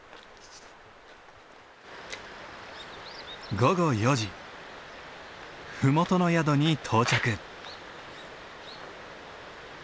午後４時麓の宿に到着。